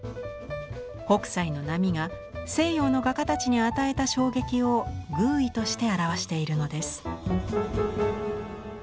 北斎の波が西洋の画家たちに与えた衝撃をぐう意として表しているのです。